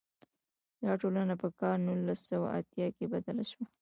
دا ټولنه په کال نولس سوه اتیا کې بدله شوه.